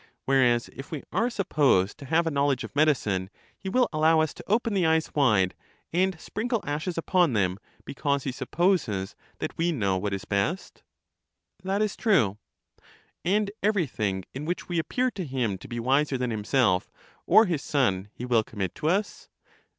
Whereas, if we are supposed to have a knowledge of medicine, he will allow us to open the eyes wide and sprinkle ashes upon them, because he supposes that we know what is best? That is true. And everything in which we appear to him to be wiser than himself or his son he will commit to us